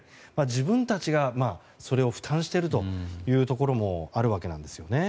自分たちが、それを負担しているというところもあるわけなんですね。